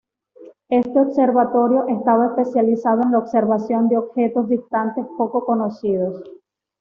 Este observatorio estaba especializado en la observación de objetos distantes, poco conocidos.